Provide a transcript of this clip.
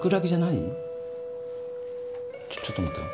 ちょちょっと待ってよ。